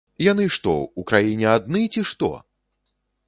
Яны што, у краіне адны, ці што!?